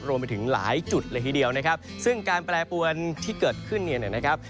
รวมไปถึงหลายจุดเลยทีเดียวนะครับซึ่งการแปรปวนที่เกิดขึ้นเนี่ยนะครับ